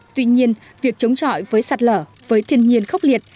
tuy nhiên việc chống chọi với sạt lở với thiên nhiên khốc liệt